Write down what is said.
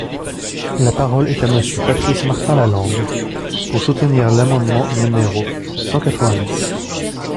La parole est à Monsieur Patrice Martin-Lalande, pour soutenir l’amendement numéro cent quatre-vingt-dix.